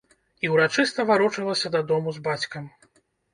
І ўрачыста варочалася дадому з бацькам.